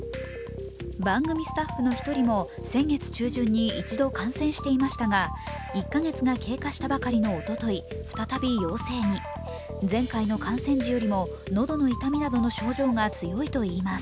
番組スタッフの一人も先月中旬に一度感染していましたが１か月が経過したばかりのおととい、再び陽性に前回の感染時よりも喉の痛みなどの症状が強いといいます。